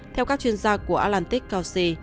theo các chuyên gia của atlantic council